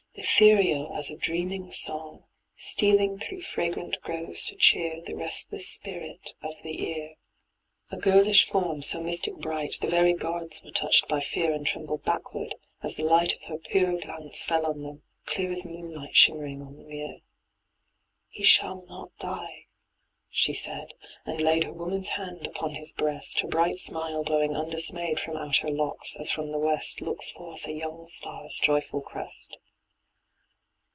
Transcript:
Ethereal as a dreaming song Stealing through fragrant groves to cheer The restless spirit of the ear. 100 ^ LEGEND OF ANTWERP. A girlish form, so mystic bright, The very guards were touched by fear And trembled backward as the light Of her pure glance fell on them, clear As moonlight shimmering on the mere. He shall not die^ she said, and laid Her woman's hand upon his breast, Her bright smile glowing undismayed From out her locks, as from the west Looks forth a young star's joyful crest.